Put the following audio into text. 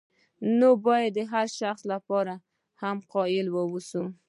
نو باید د هر شخص لپاره هم قایل واوسو.